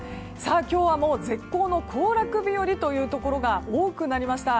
今日は絶好の行楽日和というところが多くなりました。